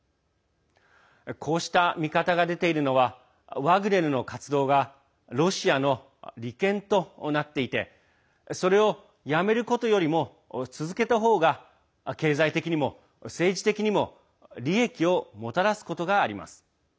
こうした見方が出ているのはワグネルの活動がロシアの利権となっていてそれをやめることよりも続けた方が経済的にも政治的にも利益をもたらすことがあります。